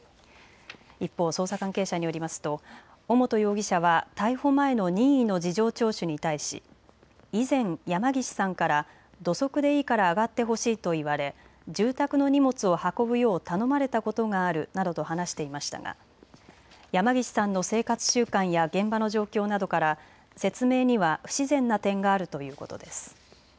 一方、捜査関係者によりますと尾本容疑者は逮捕前の任意の事情聴取に対し、以前、山岸さんから土足でいいからあがってほしいと言われ住宅の荷物を運ぶよう頼まれたことがあるなどと話していましたが山岸さんの生活習慣や現場の状況などから説明には不自然な点があるということです。